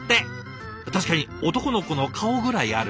確かに男の子の顔ぐらいある！